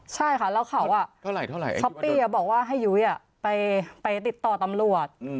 ใช่ค่ะแล้วเขาช้อปปี้บอกว่าให้ยุ้ยไปติดต่อตำรวจ